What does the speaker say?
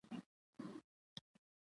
شنه فصلونه د سیمې ښکلا زیاتوي.